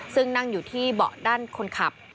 ซึ่งนั่งอยู่ที่เบาะด้านคนขับ